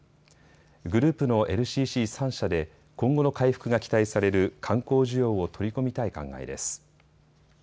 グループのＬＣＣ３社で今後の回復が期待される観光需要を取り込みたい考えです。